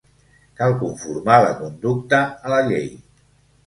Cal conformar la conducta a la llei.